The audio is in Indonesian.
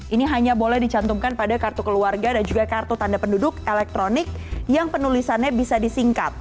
ini hanya boleh dicantumkan pada kartu keluarga dan juga kartu tanda penduduk elektronik yang penulisannya bisa disingkat